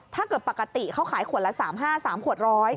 ถ้าเกิดปกติเขาขายขวดละ๓๕๓ขวด๑๐๐